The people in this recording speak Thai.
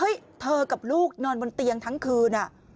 เธอกับลูกนอนบนเตียงทั้งคืน